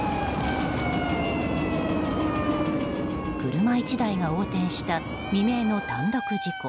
車１台が横転した未明の単独事故。